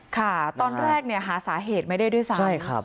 ค่ะตอนแรกเนี่ยหาสาเหตุไม่ได้ด้วยซ้ำ